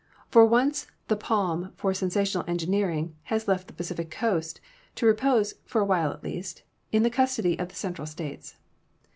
For once the palm for sensational engineering has left the Pacific coast, to repose, for a while at least, in the custody of the Central States.